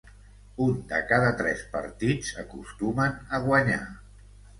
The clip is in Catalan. Un de cada tres partits acostumen a guanyar.